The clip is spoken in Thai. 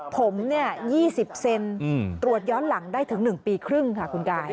ผม๒๐เซนตรวจย้อนหลังได้ถึง๑ปีครึ่งค่ะคุณกาย